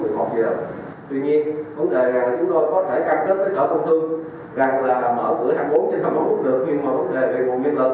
tuy nhiên vấn đề là chúng tôi có thể cam kết với sản phẩm thương rằng là mở cửa tháng bốn trên tháng một cũng được khi mở cửa về nguồn nguyên lực